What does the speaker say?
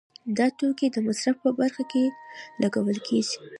دا توکي د مصرف په برخه کې لګول کیږي.